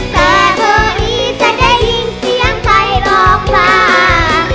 แต่พอดีจะได้ยิงเสียงใครบอกมา